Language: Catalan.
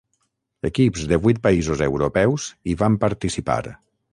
Equips de vuit països europeus hi van participar.